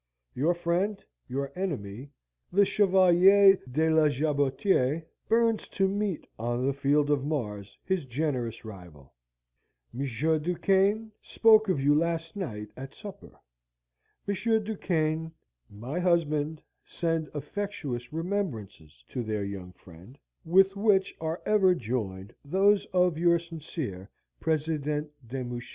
Your friend, your enemy, the Chevalier de la Jabotiere, burns to meet on the field of Mars his generous rival. M. Du Quesne spoke of you last night at supper. M. Du Quesne, my husband, send affectuous remembrances to their young friend, with which are ever joined those of your sincere Presidente de Mouchy."